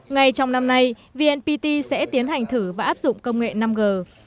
ngay trong năm nay vnpt sẽ tiến hành thử và áp dụng công nghệ năm g